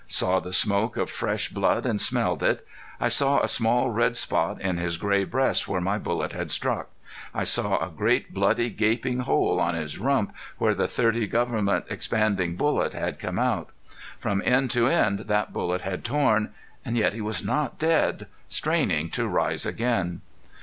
Saw the smoke of fresh blood and smelled it! I saw a small red spot in his gray breast where my bullet had struck. I saw a great bloody gaping hole on his rump where the.30 Gov't expanding bullet had come out. From end to end that bullet had torn! Yet he was not dead. Straining to rise again!